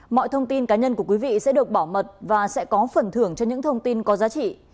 mọi thông tin cá nhân của quý vị sẽ được bảo mật và sẽ có phần thưởng cho những thông tin có giá trị